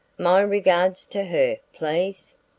My regards to her, please.